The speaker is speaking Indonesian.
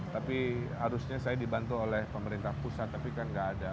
tapi harusnya saya dibantu oleh pemerintah pusat tapi kan nggak ada